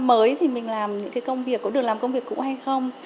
mới thì mình làm những công việc có được làm công việc cũng hay không